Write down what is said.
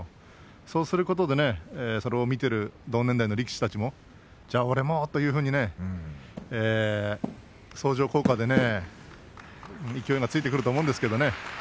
そうすることでそれを見ている同年代の力士たちもじゃあ俺もというふうに相乗効果でね勢いがついてくると思うんですけれどもね。